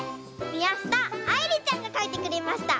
みやしたあいりちゃんがかいてくれました。